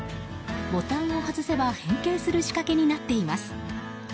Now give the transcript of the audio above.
ボタンを外せば変形する仕掛けになっています。